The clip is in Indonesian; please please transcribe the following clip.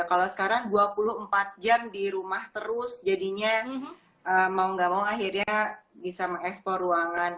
kalau sekarang dua puluh empat jam di rumah terus jadinya mau gak mau akhirnya bisa mengeksplor ruangan